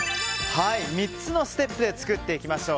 ３つのステップで作っていきましょう。